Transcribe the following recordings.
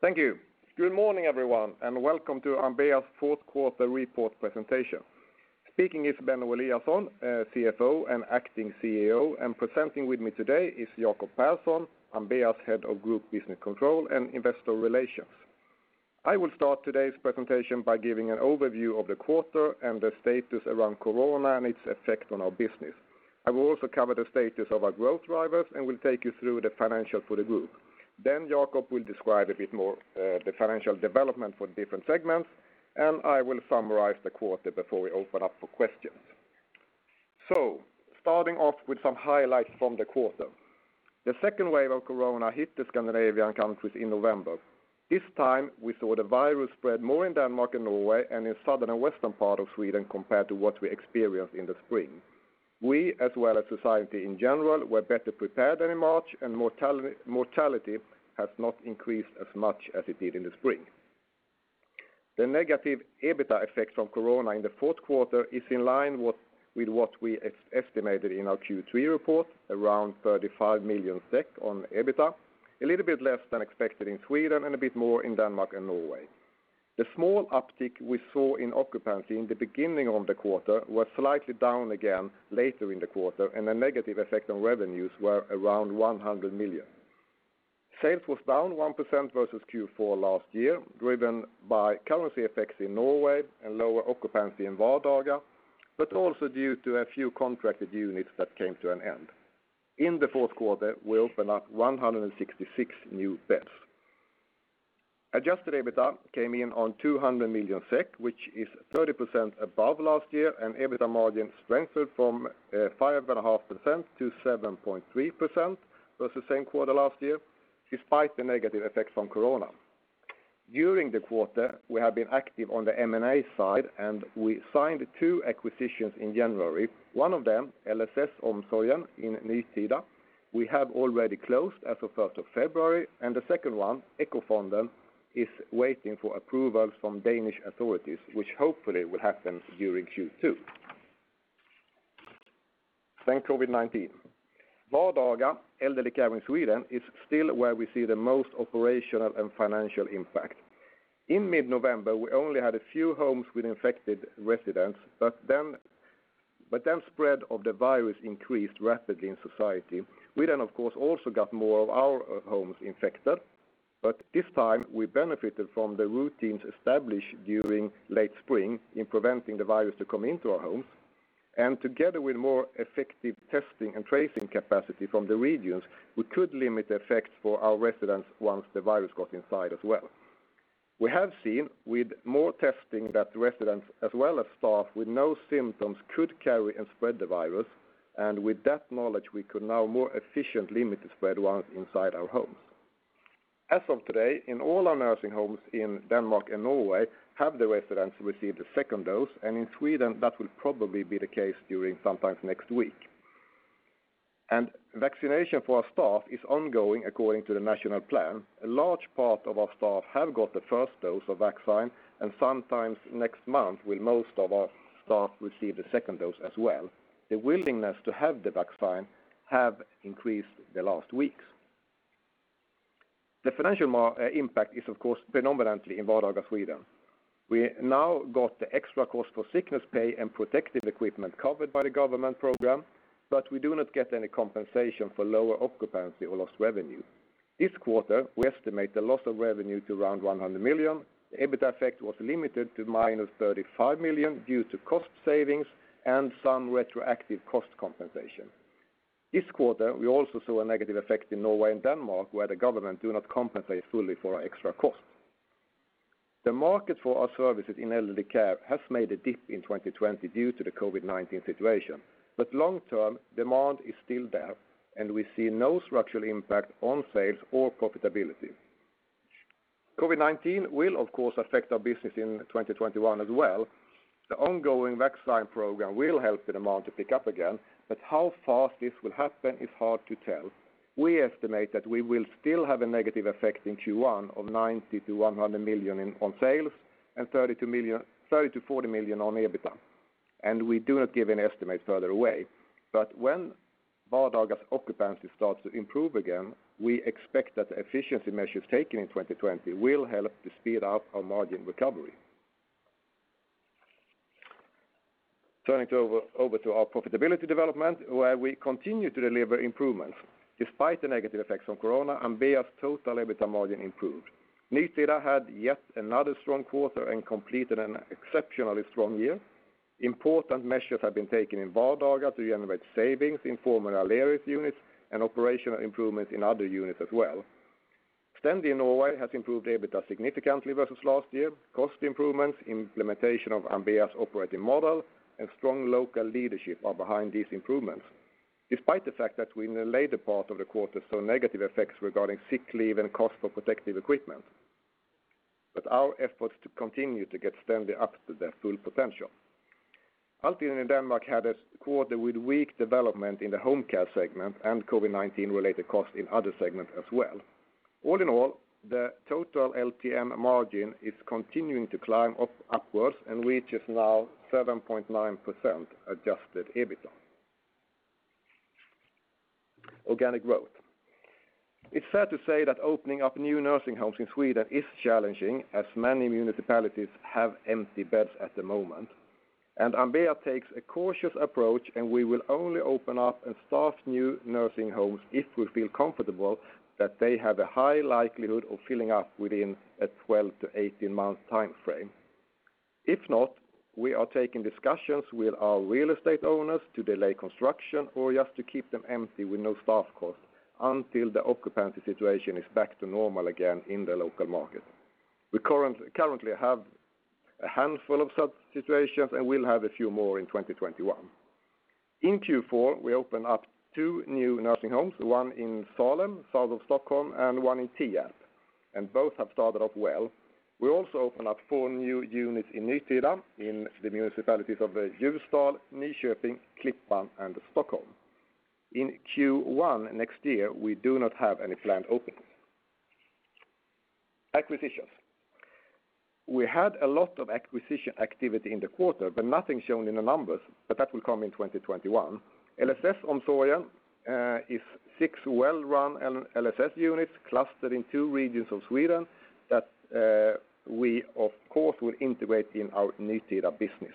Thank you. Good morning, everyone, and welcome to Ambea's Fourth Quarter Report Presentation. Speaking is Benno Eliasson, CFO and acting CEO, and presenting with me today is Jacob Persson, Ambea's Head of Group Business Control and Investor Relations. I will start today's presentation by giving an overview of the quarter and the status around COVID and its effect on our business. I will also cover the status of our growth drivers and will take you through the financial for the group. Jacob will describe a bit more the financial development for the different segments, and I will summarize the quarter before we open up for questions. Starting off with some highlights from the quarter. The second wave of COVID hit the Scandinavian countries in November. This time, we saw the virus spread more in Denmark and Norway and in southern and western part of Sweden compared to what we experienced in the spring. We, as well as society in general, were better prepared than in March, and mortality has not increased as much as it did in the spring. The negative EBITDA effect from COVID in the fourth quarter is in line with what we estimated in our Q3 report, around 35 million SEK on EBITDA, a little bit less than expected in Sweden and a bit more in Denmark and Norway. The small uptick we saw in occupancy in the beginning of the quarter was slightly down again later in the quarter, and the negative effect on revenues were around 100 million. Sales was down 1% versus Q4 last year, driven by currency effects in Norway and lower occupancy in Vardaga, but also due to a few contracted units that came to an end. In the fourth quarter, we opened up 166 new beds. Adjusted EBITDA came in on 200 million SEK, which is 30% above last year, and EBITDA margin strengthened from 5.5% to 7.3% versus the same quarter last year, despite the negative effects from COVID. During the quarter, we have been active on the M&A side, and we signed two acquisitions in January. One of them, LSS Omsorgen in Nytida, we have already closed as of 1st of February, and the second one, EKKOfonden, is waiting for approvals from Danish authorities, which hopefully will happen during Q2. COVID-19. Vardaga elderly care in Sweden is still where we see the most operational and financial impact. In mid-November, we only had a few homes with infected residents, but then spread of the virus increased rapidly in society. We then, of course, also got more of our homes infected. This time, we benefited from the routines established during late spring in preventing the virus to come into our homes. Together with more effective testing and tracing capacity from the regions, we could limit the effect for our residents once the virus got inside as well. We have seen with more testing that residents as well as staff with no symptoms could carry and spread the virus, and with that knowledge, we could now more efficiently limit the spread once inside our homes. As of today, in all our nursing homes in Denmark and Norway have the residents received a second dose, and in Sweden, that will probably be the case during sometime next week. Vaccination for our staff is ongoing according to the national plan. A large part of our staff have got the first dose of vaccine, and sometime next month will most of our staff receive the second dose as well. The willingness to have the vaccine have increased the last weeks. The financial impact is, of course, predominantly in Vardaga Sweden. We now got the extra cost for sickness pay and protective equipment covered by the government program, but we do not get any compensation for lower occupancy or lost revenue. This quarter, we estimate the loss of revenue to around 100 million. The EBITDA effect was limited to -35 million due to cost savings and some retroactive cost compensation. This quarter, we also saw a negative effect in Norway and Denmark, where the government do not compensate fully for our extra cost. The market for our services in elderly care has made a dip in 2020 due to the COVID-19 situation. Long term, demand is still there, and we see no structural impact on sales or profitability. COVID-19 will of course affect our business in 2021 as well. The ongoing vaccine program will help the demand to pick up again, but how fast this will happen is hard to tell. We estimate that we will still have a negative effect in Q1 of 90 million-100 million on sales and 30 million-40 million on EBITDA. We do not give an estimate further away. When Vardaga's occupancy starts to improve again, we expect that the efficiency measures taken in 2020 will help to speed up our margin recovery. Turning over to our profitability development, where we continue to deliver improvements. Despite the negative effects of COVID-19, Ambea's total EBITDA margin improved. Nytida had yet another strong quarter and completed an exceptionally strong year. Important measures have been taken in Vardaga to generate savings in former Aleris units and operational improvements in other units as well. Stendi in Norway has improved EBITDA significantly versus last year. Cost improvements, implementation of Ambea's operating model, and strong local leadership are behind these improvements. Despite the fact that we in the later part of the quarter saw negative effects regarding sick leave and cost for protective equipment. Our efforts to continue to get Stendi up to their full potential. Altiden in Denmark had a quarter with weak development in the home care segment and COVID-19-related costs in other segments as well. All in all, the total LTM margin is continuing to climb upwards and reaches now 7.9% adjusted EBITDA. Organic growth. It's sad to say that opening up new nursing homes in Sweden is challenging, as many municipalities have empty beds at the moment. Ambea takes a cautious approach, and we will only open up and staff new nursing homes if we feel comfortable that they have a high likelihood of filling up within a 12-18 month timeframe. If not, we are taking discussions with our real estate owners to delay construction, or just to keep them empty with no staff costs until the occupancy situation is back to normal again in the local market. We currently have a handful of such situations and will have a few more in 2021. In Q4, we open up two new nursing homes, one in Salem, south of Stockholm, and one in Tierp, and both have started off well. We also open up four new units in Nytida in the municipalities of Ljusdal, Nyköping, Klippan, and Stockholm. In Q1 next year, we do not have any planned openings. Acquisitions. We had a lot of acquisition activity in the quarter, nothing shown in the numbers. That will come in 2021. LSS Omsorgen is six well-run LSS units clustered in two regions of Sweden that we, of course, will integrate in our Nytida business.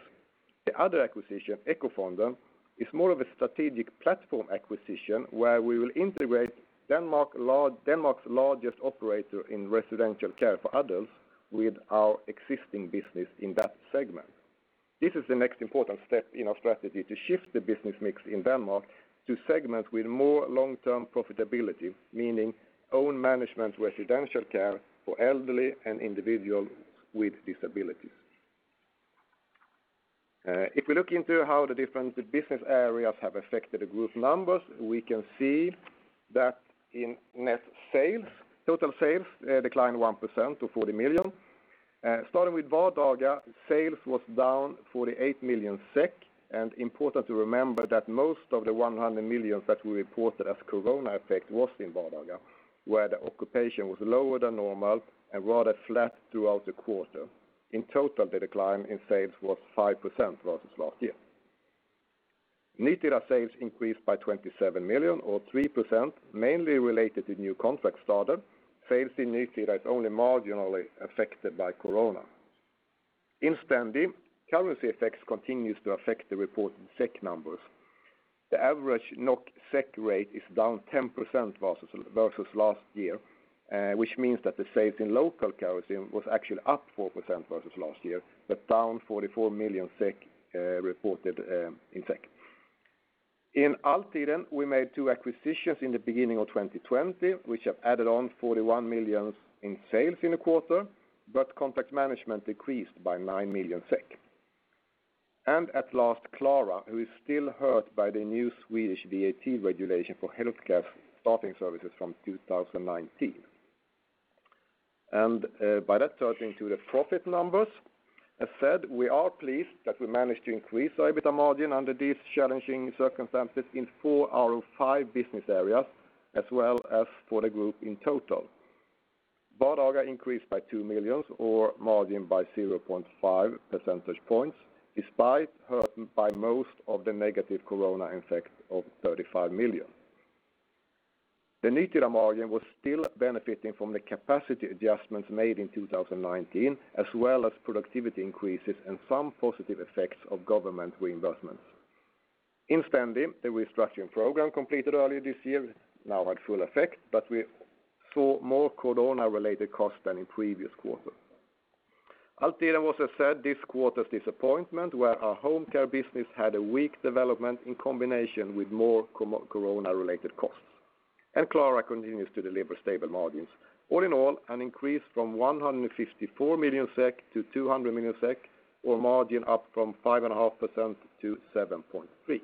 The other acquisition, EKKOfonden, is more of a strategic platform acquisition where we will integrate Denmark's largest operator in residential care for adults with our existing business in that segment. This is the next important step in our strategy to shift the business mix in Denmark to segments with more long-term profitability, meaning own management residential care for elderly and individuals with disabilities. If we look into how the different business areas have affected the group numbers, we can see that in net sales, total sales declined 1% to 40 million. Starting with Vardaga, sales was down 48 million SEK. Important to remember that most of the 100 million that we reported as corona effect was in Vardaga, where the occupation was lower than normal and rather flat throughout the quarter. In total, the decline in sales was 5% versus last year. Nytida sales increased by 27 million, or 3%, mainly related to new contracts started. Sales in Nytida is only marginally affected by corona. In Stendi, currency effects continues to affect the reported SEK numbers. The average NOK/SEK rate is down 10% versus last year. Means that the sales in local currency was actually up 4% versus last year, but down 44 million SEK reported in SEK. In Altiden, we made two acquisitions in the beginning of 2020, which have added on 41 million in sales in the quarter, but contract management decreased by 9 million SEK. At last, Klara, who is still hurt by the new Swedish VAT regulation for healthcare staffing services from 2019. By that, turning to the profit numbers. As said, we are pleased that we managed to increase our EBITDA margin under these challenging circumstances in four out of five business areas, as well as for the group in total. Vardaga increased by 2 million, or margin by 0.5 percentage points, despite hurt by most of the negative corona effect of 35 million. The Nytida margin was still benefiting from the capacity adjustments made in 2019, as well as productivity increases and some positive effects of government reimbursements. In Stendi, the restructuring program completed earlier this year now had full effect. We saw more COVID-19-related costs than in previous quarters. Altiden was, as said, this quarter's disappointment, where our home care business had a weak development in combination with more COVID-19-related costs. Klara continues to deliver stable margins. All in all, an increase from 154 million SEK to 200 million SEK, or margin up from 5.5% to 7.3%.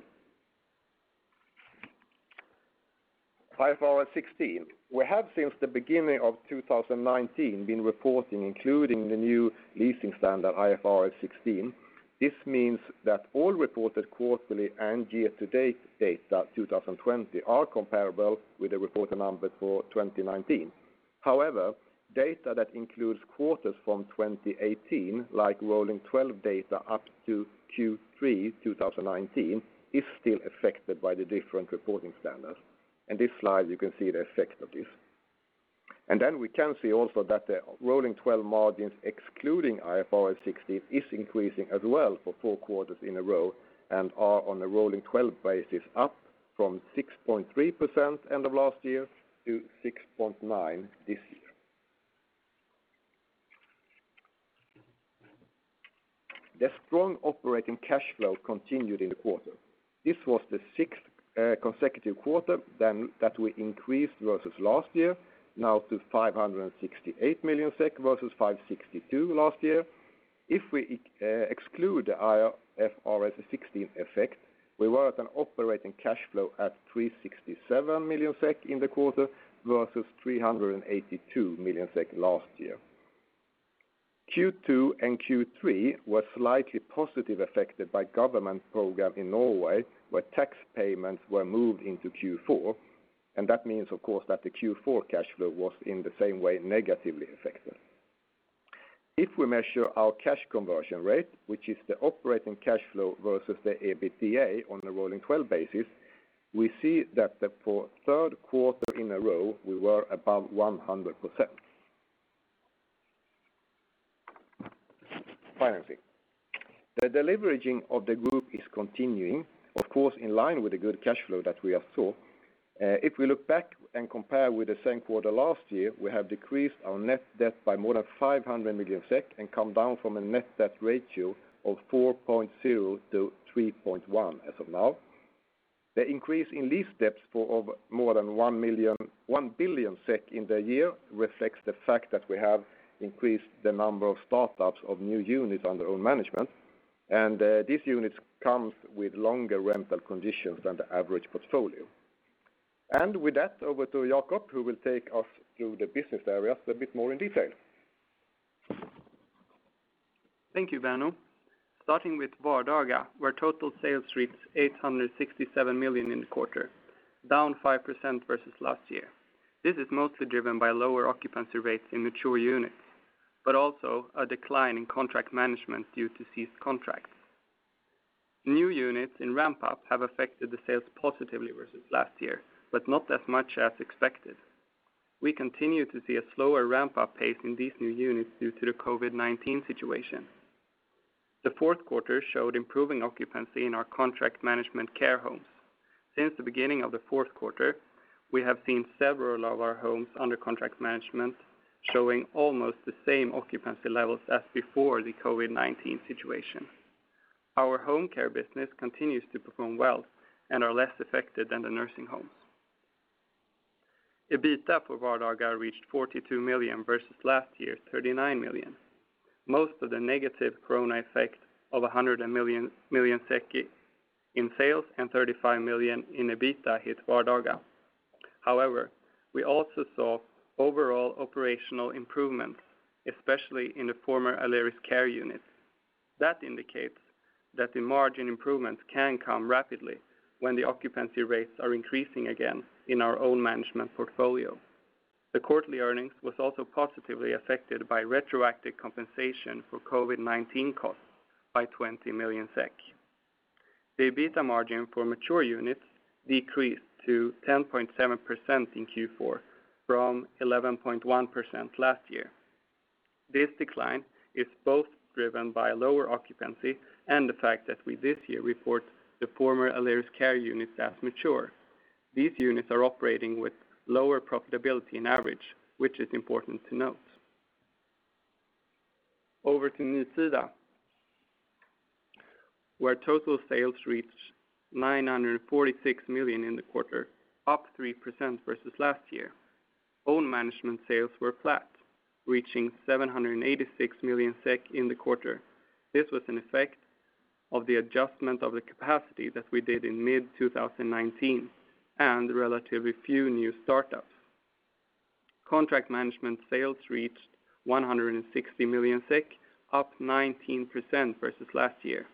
IFRS 16. We have, since the beginning of 2019, been reporting including the new leasing standard, IFRS 16. This means that all reported quarterly and year-to-date data 2020 are comparable with the reported numbers for 2019. However, data that includes quarters from 2018, like rolling 12 data up to Q3 2019, is still affected by the different reporting standards. In this slide, you can see the effect of this. We can see also that the rolling 12 margins, excluding IFRS 16, is increasing as well for four quarters in a row and are on a rolling 12 basis, up from 6.3% end of last year to 6.9% this year. The strong operating cash flow continued in the quarter. This was the sixth consecutive quarter that we increased versus last year. Now to 568 million SEK versus 562 last year. If we exclude the IFRS 16 effect, we were at an operating cash flow at 367 million SEK in the quarter versus 382 million SEK last year. Q2 and Q3 were slightly positively affected by government program in Norway, where tax payments were moved into Q4. That means, of course, that the Q4 cash flow was in the same way negatively affected. If we measure our cash conversion rate, which is the operating cash flow versus the EBITDA on a rolling 12 basis, we see that for the third quarter in a row, we were above 100%. Financing. The deleveraging of the group is continuing, of course, in line with the good cash flow that we have saw. If we look back and compare with the same quarter last year, we have decreased our net debt by more than 500 million SEK and come down from a net debt ratio of 4.0 to 3.1 as of now. The increase in lease debts for more than 1 billion SEK in the year reflects the fact that we have increased the number of startups of new units under own management, and these units come with longer rental conditions than the average portfolio. With that, over to Jacob, who will take us through the business areas a bit more in detail. Thank you, Benno. Starting with Vardaga, where total sales reached 867 million in the quarter, down 5% versus last year. This is mostly driven by lower occupancy rates in mature units, but also a decline in contract management due to ceased contracts. New units in ramp-up have affected the sales positively versus last year, but not as much as expected. We continue to see a slower ramp-up pace in these new units due to the COVID-19 situation. The fourth quarter showed improving occupancy in our contract management care homes. Since the beginning of the fourth quarter, we have seen several of our homes under contract management showing almost the same occupancy levels as before the COVID-19 situation. Our home care business continues to perform well and are less affected than the nursing homes. EBITDA for Vardaga reached 42 million, versus last year's 39 million. Most of the negative corona effect of 100 million in sales and 35 million in EBITDA hit Vardaga. However, we also saw overall operational improvements, especially in the former Aleris Care units. That indicates that the margin improvements can come rapidly when the occupancy rates are increasing again in our own management portfolio. The quarterly earnings was also positively affected by retroactive compensation for COVID-19 costs by 20 million SEK. The EBITDA margin for mature units decreased to 10.7% in Q4 from 11.1% last year. This decline is both driven by lower occupancy and the fact that we this year report the former Aleris Care units as mature. These units are operating with lower profitability on average, which is important to note. Over to Nytida, where total sales reached 946 million in the quarter, up 3% versus last year. Own management sales were flat, reaching 786 million SEK in the quarter. This was an effect of the adjustment of the capacity that we did in mid-2019 and relatively few new startups. Contract management sales reached 160 million SEK, up 19% versus last year.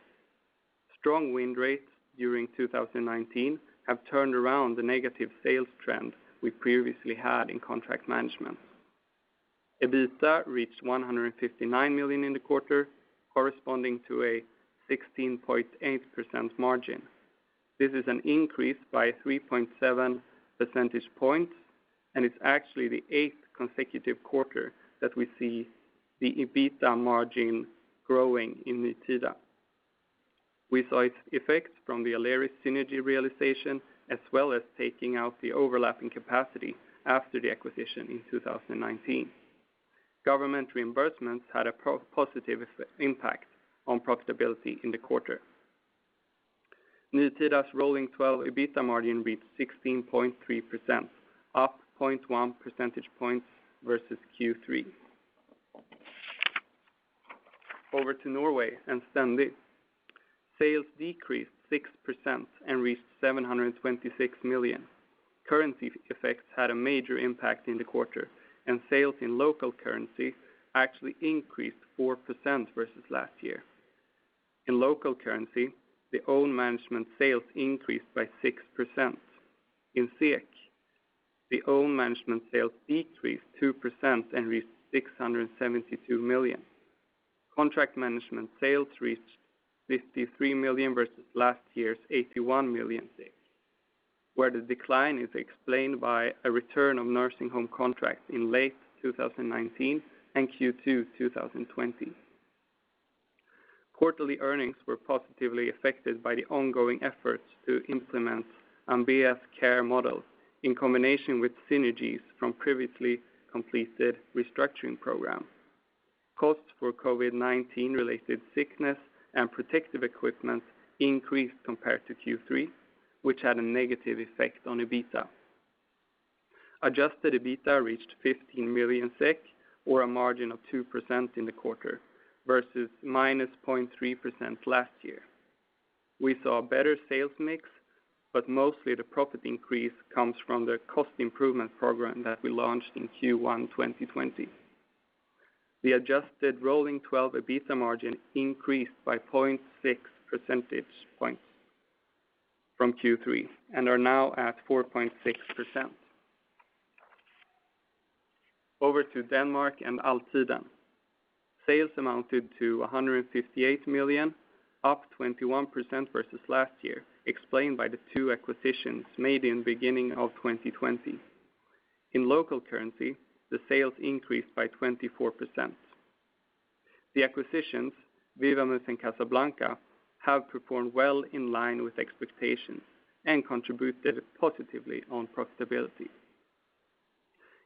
Strong win rates during 2019 have turned around the negative sales trend we previously had in contract management. EBITDA reached 159 million in the quarter, corresponding to a 16.8% margin. This is an increase by 3.7 percentage points, and it's actually the eighth consecutive quarter that we see the EBITDA margin growing in Nytida. We saw its effects from the Aleris synergy realization, as well as taking out the overlapping capacity after the acquisition in 2019. Government reimbursements had a positive impact on profitability in the quarter. Nytida's rolling 12 EBITDA margin reached 16.3%, up 0.1 percentage points versus Q3. Over to Norway and Stendi. Sales decreased 6% and reached 726 million. Currency effects had a major impact in the quarter, and sales in local currency actually increased 4% versus last year. In local currency, the own management sales increased by 6%. In SEK, the own management sales decreased 2% and reached 672 million. Contract management sales reached 53 million versus last year's 81 million, where the decline is explained by a return of nursing home contracts in late 2019 and Q2 2020. Quarterly earnings were positively affected by the ongoing efforts to implement Ambea's care model in combination with synergies from previously completed restructuring program. Costs for COVID-19-related sickness and protective equipment increased compared to Q3, which had a negative effect on EBITDA. Adjusted EBITDA reached 15 million SEK, or a margin of 2% in the quarter versus -0.3% last year. We saw a better sales mix. Mostly the profit increase comes from the cost improvement program that we launched in Q1 2020. The adjusted rolling 12 EBITDA margin increased by 0.6 percentage points from Q3 and is now at 4.6%. Over to Denmark and Altiden. Sales amounted to 158 million, up 21% versus last year, explained by the two acquisitions made in beginning of 2020. In local currency, the sales increased by 24%. The acquisitions, Vivamus and Casablanca, have performed well in line with expectations and contributed positively on profitability.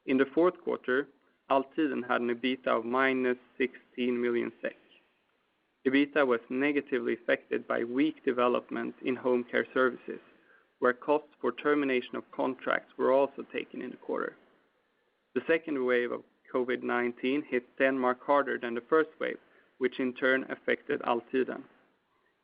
In the fourth quarter, Altiden had an EBITDA of -16 million SEK. EBITDA was negatively affected by weak development in home care services, where costs for termination of contracts were also taken in the quarter. The second wave of COVID-19 hit Denmark harder than the first wave, which in turn affected Altiden.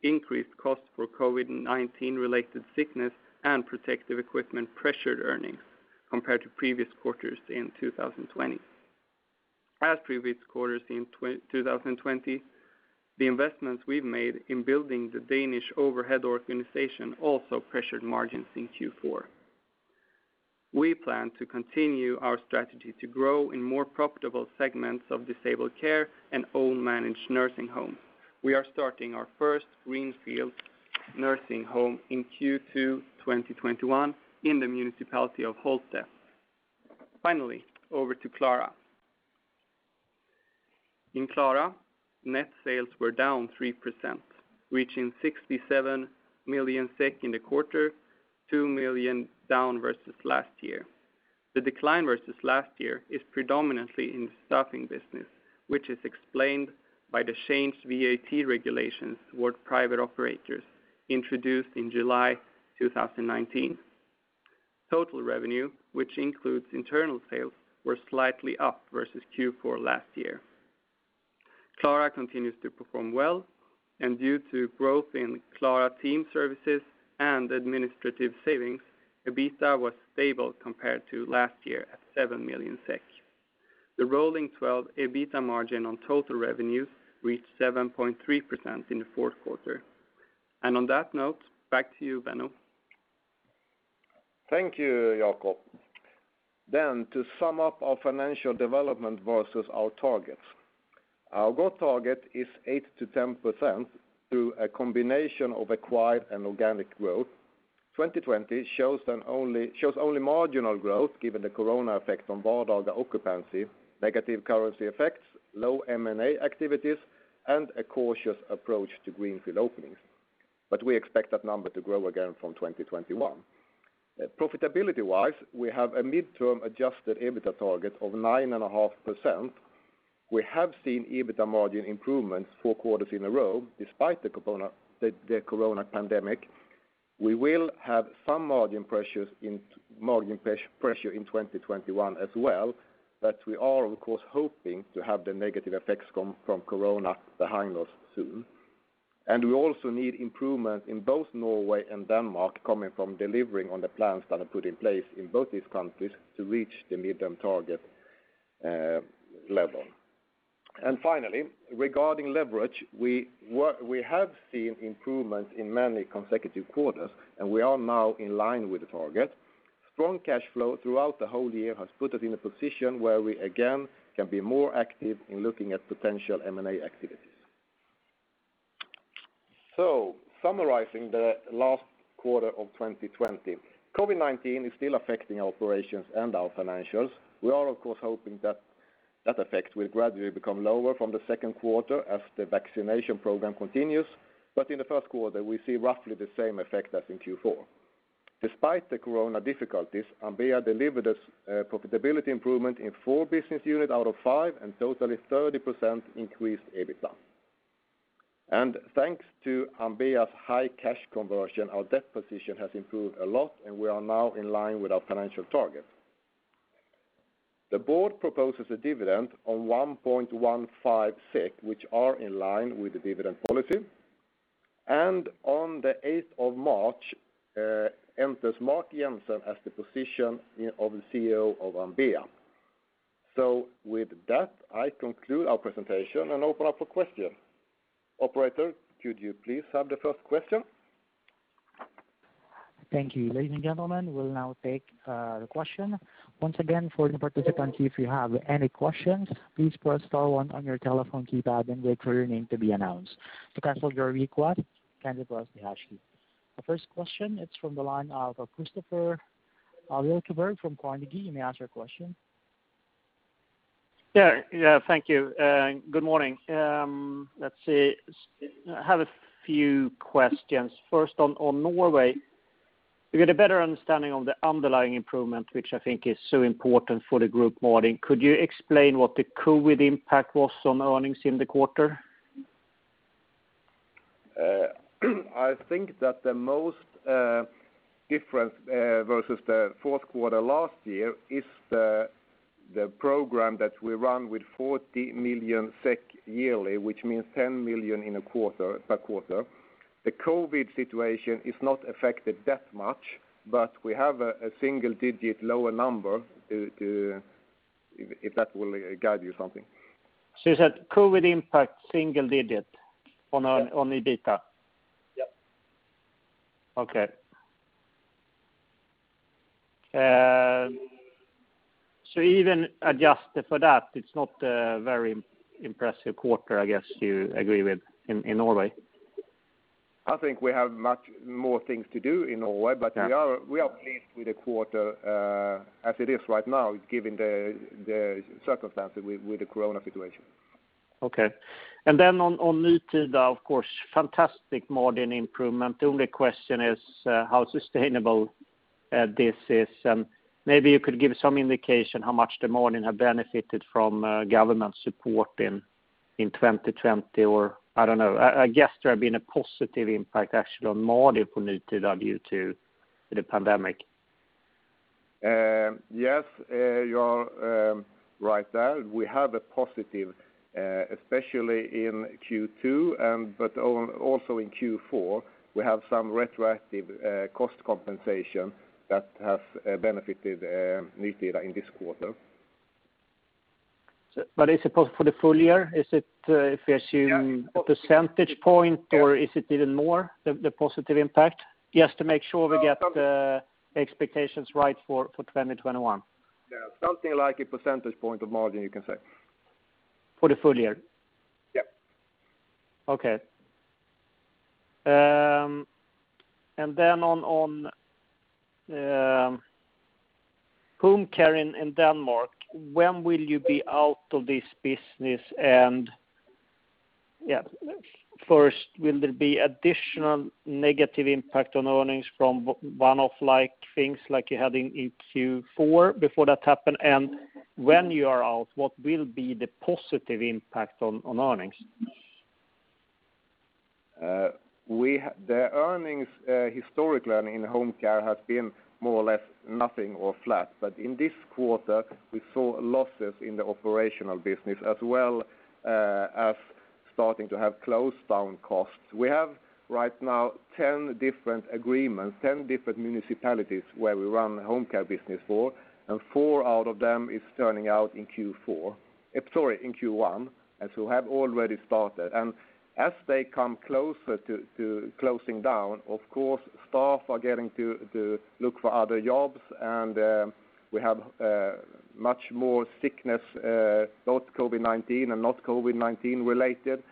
Increased costs for COVID-19-related sickness and protective equipment pressured earnings compared to previous quarters in 2020. As previous quarters in 2020, the investments we've made in building the Danish overhead organization also pressured margins in Q4. We plan to continue our strategy to grow in more profitable segments of disabled care and own managed nursing homes. We are starting our first greenfield nursing home in Q2 2021 in the municipality of Holte. Finally, over to Klara. In Klara, net sales were down 3%, reaching 67 million in the quarter, 2 million down versus last year. The decline versus last year is predominantly in the staffing business, which is explained by the changed VAT regulations toward private operators introduced in July 2019. Total revenue, which includes internal sales, were slightly up versus Q4 last year. Klara continues to perform well, due to growth in Klara team services and administrative savings, EBITDA was stable compared to last year at 7 million SEK. The rolling 12 EBITDA margin on total revenues reached 7.3% in the fourth quarter. On that note, back to you, Benno. Thank you, Jacob. To sum up our financial development versus our targets. Our growth target is 8%-10% through a combination of acquired and organic growth. 2020 shows only marginal growth, given the corona effect on Vardaga occupancy, negative currency effects, low M&A activities, and a cautious approach to greenfield openings. We expect that number to grow again from 2021. Profitability-wise, we have a midterm adjusted EBITDA target of 9.5%. We have seen EBITDA margin improvements four quarters in a row, despite the corona pandemic. We will have some margin pressure in 2021 as well, we are, of course, hoping to have the negative effects from corona behind us soon. We also need improvement in both Norway and Denmark coming from delivering on the plans that are put in place in both these countries to reach the midterm target level. Finally, regarding leverage, we have seen improvements in many consecutive quarters, and we are now in line with the target. Strong cash flow throughout the whole year has put us in a position where we again can be more active in looking at potential M&A activities. Summarizing the last quarter of 2020, COVID-19 is still affecting operations and our financials. We are, of course, hoping that effect will gradually become lower from the second quarter as the vaccination program continues. In the first quarter, we see roughly the same effect as in Q4. Despite the corona difficulties, Ambea delivered us profitability improvement in four business units out of five, and totally 30% increased EBITDA. Thanks to Ambea's high cash conversion, our debt position has improved a lot, and we are now in line with our financial targets. The board proposes a dividend of 1.15, which are in line with the dividend policy. On the 8th of March, enters Mark Jensen as the position of the CEO of Ambea. With that, I conclude our presentation and open up for questions. Operator, could you please have the first question? Thank you. Ladies and gentlemen, we'll now take a question. Once again, for the participants, if you have any questions please press star one on your telephone keypad and wait for your name to be announced. To cancel your request The first question, it's from the line of Kristofer Liljeberg from Carnegie. You may ask your question. Yeah. Thank you. Good morning. Let's see. I have a few questions. First, on Norway. To get a better understanding of the underlying improvement, which I think is so important for the group margin, could you explain what the COVID impact was on earnings in the quarter? I think that the most difference versus the fourth quarter last year is the program that we run with 40 million SEK yearly, which means 10 million per quarter. The COVID situation is not affected that much, but we have a single-digit lower number. If that will guide you something. You said COVID impact single digit on EBITDA? Yes. Okay. Even adjusted for that, it's not a very impressive quarter, I guess you agree with, in Norway? I think we have much more things to do in Norway, but we are pleased with the quarter as it is right now given the circumstances with the COVID situation. Okay. On Nytida, of course, fantastic margin improvement. The only question is how sustainable this is. Maybe you could give some indication how much the margin have benefited from government support in 2020, or I don't know. I guess there have been a positive impact actually on margin for Nytida due to the pandemic. Yes, you are right there. We have a positive, especially in Q2. Also in Q4, we have some retroactive cost compensation that has benefited Nytida in this quarter. Is it for the full year? Is it if we assume- Yes.... a percentage point, or is it even more, the positive impact? Just to make sure we get the expectations right for 2021. Something like a percentage point of margin, you can say. For the full year? Yes. Okay. On home care in Denmark, when will you be out of this business? First, will there be additional negative impact on earnings from one-off like things like you had in Q4 before that happened? When you are out, what will be the positive impact on earnings? The historic earnings in home care has been more or less nothing or flat. In this quarter, we saw losses in the operational business as well as starting to have closed down costs. We have right now 10 different agreements, 10 different municipalities where we run home care business for, and four out of them is turning out in Q4. Sorry, in Q1, as we have already started. As they come closer to closing down, of course, staff are getting to look for other jobs, and we have much more sickness, both COVID-19 and not COVID-19 related.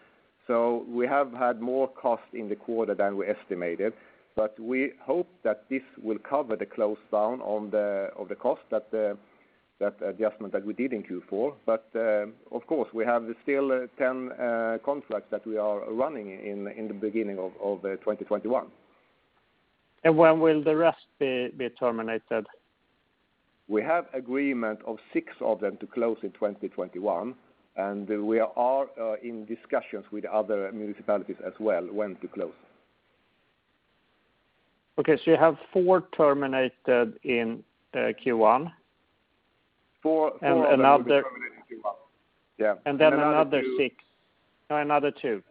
We have had more cost in the quarter than we estimated. We hope that this will cover the close down on the cost that adjustment that we did in Q4. Of course, we have still 10 contracts that we are running in the beginning of 2021. When will the rest be terminated? We have agreement of six of them to close in 2021, and we are in discussions with other municipalities as well when to close. Okay, you have four terminated in Q1? Four will be terminated in Q1. Yes. Then another six. No, another two.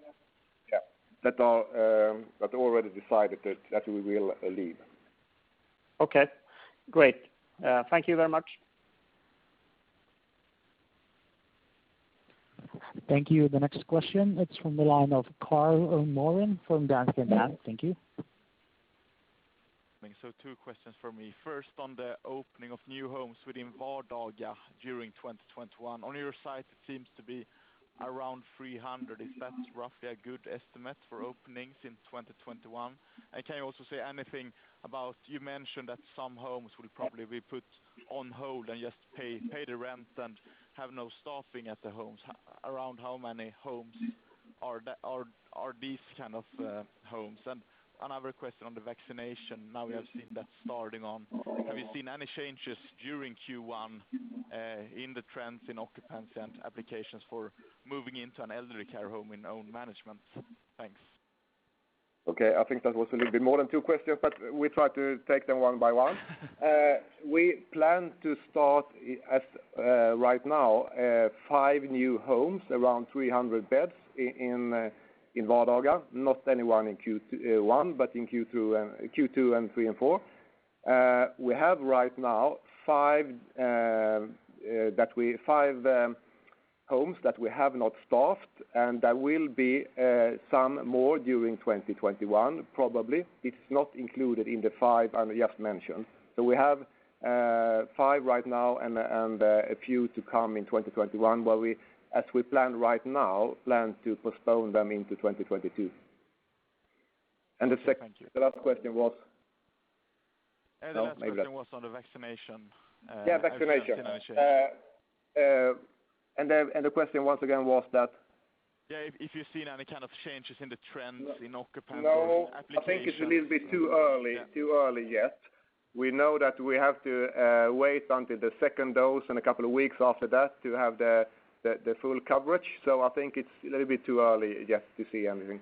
Yes. That already decided that we will leave. Okay, great. Thank you very much. Thank you. The next question, it's from the line of Karl Norén from Danske Bank. Thank you. Thanks. Two questions for me. First, on the opening of new homes within Vardaga during 2021. On your site, it seems to be around 300. Is that roughly a good estimate for openings in 2021? Can you also say anything about, you mentioned that some homes will probably be put on hold and just pay the rent and have no staffing at the homes. Around how many homes are these kind of homes? Another question on the vaccination. Now we have seen that starting on. Have you seen any changes during Q1 in the trends in occupancy and applications for moving into an elderly care home in own management? Thanks. Okay. I think that was a little bit more than two questions, but we try to take them one by one. We plan to start right now five new homes, around 300 beds in Vardaga. Not anyone in Q1, but in Q2 and Q3 and Q4. We have right now five homes that we have not staffed, and that will be some more during 2021, probably. It's not included in the five I just mentioned. We have five right now and a few to come in 2021, as we plan right now, plan to postpone them into 2022. The last question was? The last question was on the vaccination. Yeah, vaccination. The question once again was that? If you've seen any kind of changes in the trends in occupancy and applications? No, I think it's a little bit too early yet. We know that we have to wait until the second dose and a couple of weeks after that to have the full coverage. I think it's a little bit too early yet to see anything.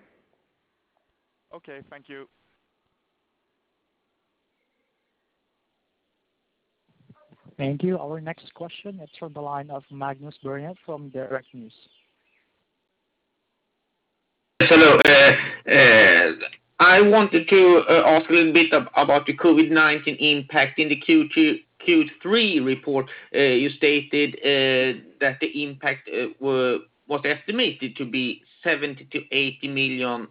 Okay. Thank you. Thank you. Our next question is from the line of Magnus Bernet from Direkt News. Hello. I wanted to ask a little bit about the COVID-19 impact. In the Q3 report, you stated that the impact was estimated to be 70 million-80 million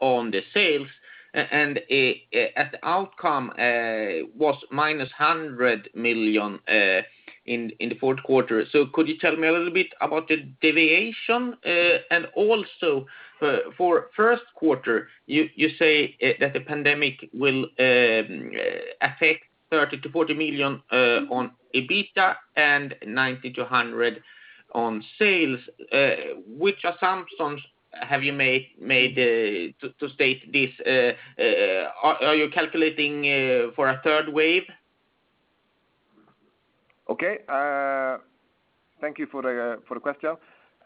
on the sales, and at the outcome was -100 million in the fourth quarter. Could you tell me a little bit about the deviation? Also for first quarter, you say that the pandemic will affect 30 million-40 million on EBITDA and 90 million-100 million on sales. Which assumptions have you made to state this? Are you calculating for a third wave? Okay. Thank you for the question.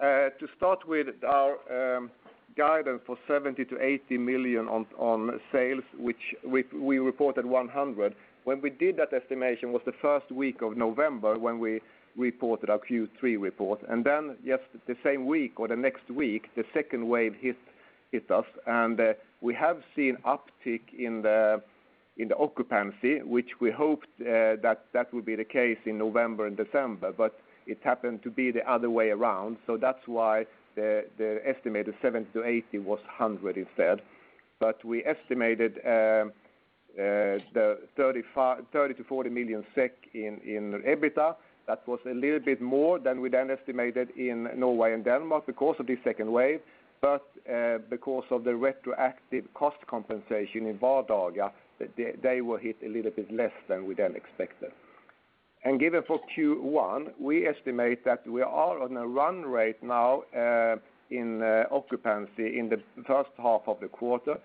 To start with, our guidance for 70 million-80 million on sales, which we reported 100 million. When we did that estimation was the first week of November when we reported our Q3 report. The same week or the next week, the second wave hit us. We have seen uptick in the occupancy, which we hoped that that would be the case in November and December, but it happened to be the other way around. That's why the estimated 70 million-80 million was 100 million instead. We estimated the 30 million-40 million SEK in EBITDA. That was a little bit more than we then estimated in Norway and Denmark because of the second wave. Because of the retroactive cost compensation involved, they were hit a little bit less than we then expected. Given for Q1, we estimate that we are on a run rate now in occupancy in the first half of the quarter,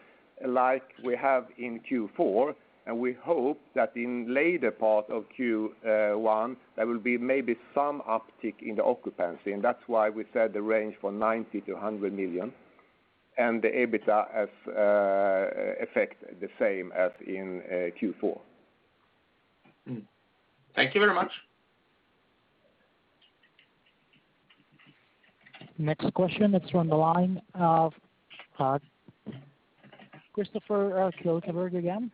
like we have in Q4. We hope that in later part of Q1, there will be maybe some uptick in the occupancy. That's why we said the range for 90 million-100 million, and the EBITDA affect the same as in Q4. Thank you very much. Next question is from the line of Kristofer Liljeberg again.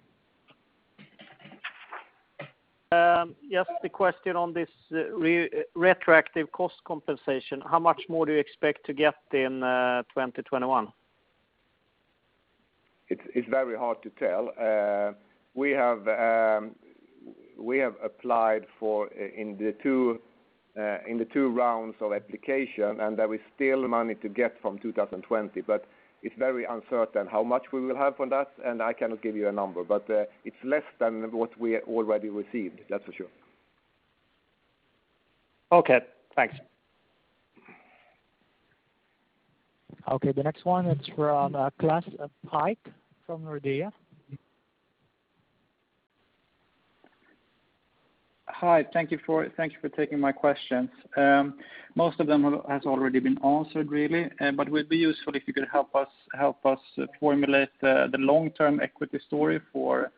Just a question on this retroactive cost compensation. How much more do you expect to get in 2021? It's very hard to tell. We have applied in the two rounds of application. There is still money to get from 2020. It's very uncertain how much we will have from that. I cannot give you a number. It's less than what we already received, that's for sure. Okay, thanks. Okay, the next one is from Klas Pyk from Nordea. Hi. Thank you for taking my questions. Most of them has already been answered, really. It would be useful if you could help us formulate the long-term equity story for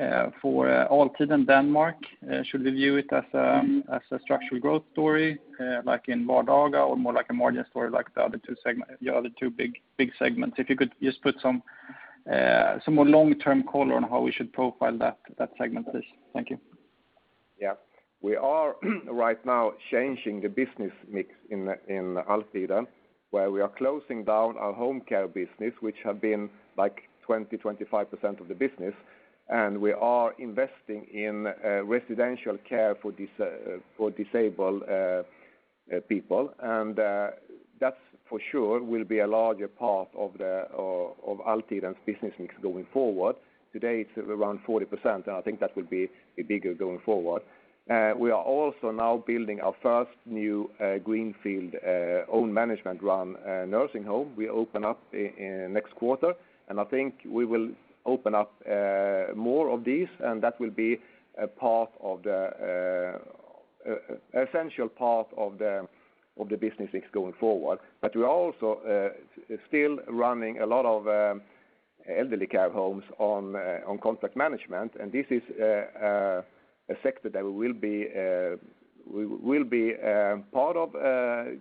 Altiden Denmark. Should we view it as a structural growth story like in Vardaga or more like a margin story like the other two big segments? If you could just put some more long-term color on how we should profile that segment, please. Thank you. Yeah. We are right now changing the business mix in Altiden, where we are closing down our home care business, which have been like 20%-25% of the business. We are investing in residential care for disabled people. That for sure will be a larger part of Altiden's business mix going forward. Today, it's around 40%, and I think that will be bigger going forward. We are also now building our first new greenfield own management-run nursing home. We open up next quarter, and I think we will open up more of these, and that will be an essential part of the business mix going forward. We are also still running a lot of elderly care homes on contract management, and this is a sector that we will be part of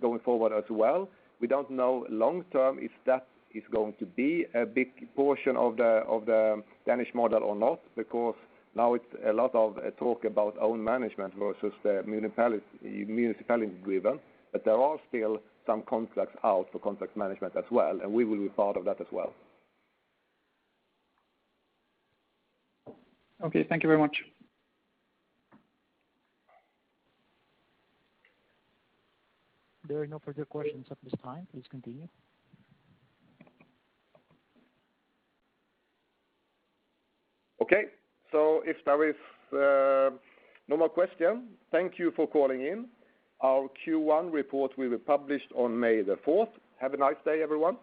going forward as well. We don't know long-term if that is going to be a big portion of the Danish model or not, because now it's a lot of talk about own management versus the municipally driven. There are still some contracts out for contract management as well, and we will be part of that as well. Okay. Thank you very much. There are no further questions at this time. Please continue. Okay. If there is no more question, thank you for calling in. Our Q1 report will be published on May the 4th. Have a nice day, everyone.